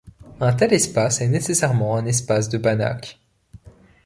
Un tel espace est nécessairement un espace de Banach.